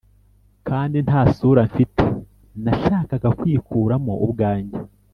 kandi nta sura mfite, nashakaga kwikuramo ubwanjye.